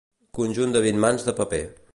Conjunt de vint mans de paper.